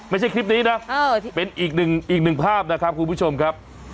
ไม่ใช่คลิปนี้นะเป็นอีกหนึ่งภาพนะครับคุณผู้ชมครับ